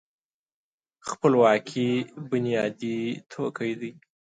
خپلواکي بنیادي توکی دی.